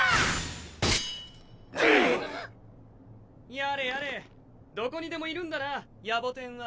やれやれどこにでもいるんだな野暮天は。